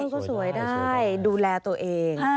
ก็สวยได้ดูแลตัวเอง